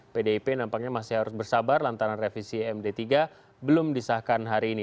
pdip nampaknya masih harus bersabar lantaran revisi md tiga belum disahkan hari ini